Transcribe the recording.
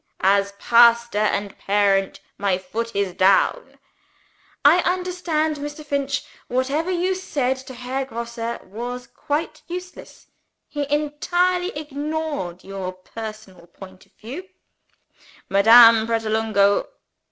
As pastor and parent, My Foot is down' " "I understand, Mr. Finch. Whatever you said to Herr Grosse was quite useless; he entirely ignored your personal point of view." "Madame Pratolungo